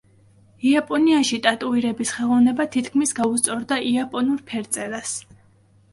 იაპონიაში ტატუირების ხელოვნება თითქმის გაუსწორდა იაპონურ ფერწერას.